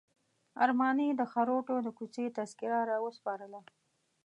ارماني د خروټو د کوڅې تذکره راوسپارله.